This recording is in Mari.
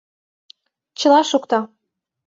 Чыла шукта.